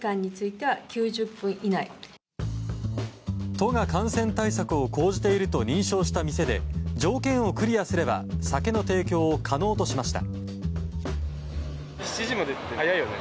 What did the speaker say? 都が感染対策を講じていると認証した店で条件をクリアすれば酒の提供を可能としました。